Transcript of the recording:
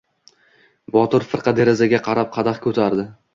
Botir firqa derazaga qarab qadah ko‘tardi.